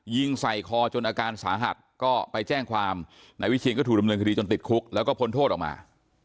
ยิงใส่คอจนอาการสาหัสก็ไปแจ้งความนายวิเชียนก็ถูกดำเนินคดีจนติดคุกแล้วก็พ้นโทษออกมา